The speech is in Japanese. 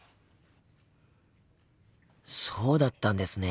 そうだったんですね。